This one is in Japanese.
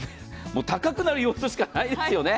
高くなる要素しかないですよね。